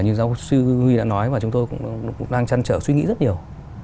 như giáo sư huy đã nói mà chúng tôi cũng đang trăn trở suy nghĩ rất nhiều